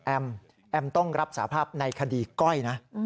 แอมต้องรับสาภาพในคดีก้อยนะ